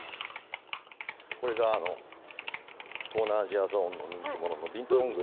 これが東南アジアゾーンの人気者のビントロングです。